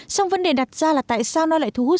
xong vấn đề đặt ra là tại sao nó lại thu hút